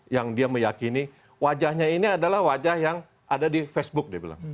yang dia meyakini wajahnya ini adalah wajah yang ada di facebook dia bilang